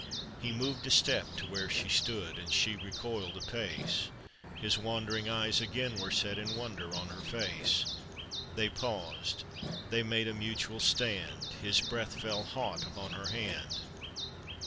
He moved a step to where she stood, And she recoiled a pace; His wandering eyes again were set In wonder on her face. They paused, they made a mutual stand; His breath fell hot upon her hand.